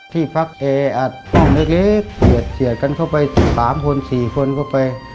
ที่พักแอร์อัดห้องเล็กเฉียดเฉียดกันเข้าไป๓คน๔คนเข้าไป